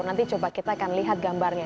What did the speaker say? nanti coba kita akan lihat gambarnya